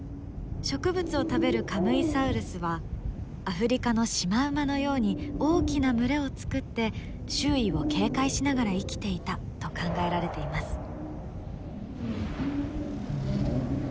植物を食べるカムイサウルスはアフリカのシマウマのように大きな群れを作って周囲を警戒しながら生きていたと考えられています。